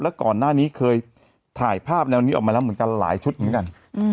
แล้วก่อนหน้านี้เคยถ่ายภาพแนวนี้ออกมาแล้วเหมือนกันหลายชุดเหมือนกัน